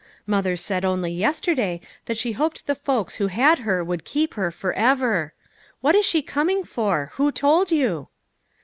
Mother said only yesterday that she hoped the folks who had her would keep her forever. What is she coming for? Who told you?"